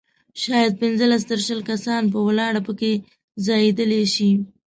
شاید پنځلس تر شل کسان په ولاړه په کې ځایېدلای شي.